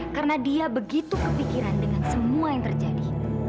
karena dia begitu kepikiran dengan semua yang terjadi